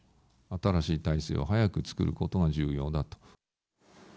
新しい体制を早く作ることが重要だと。